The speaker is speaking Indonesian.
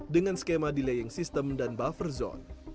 dengan skema delaying sistem dan buffer zone